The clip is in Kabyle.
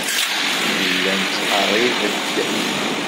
Nella nettqerrib-d.